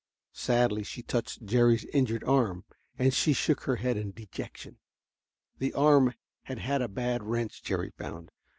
Sadly she touched Jerry's injured arm, and she shook her head in dejection. The arm had had a bad wrench, Jerry found.